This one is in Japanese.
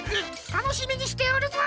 たのしみにしておるぞ！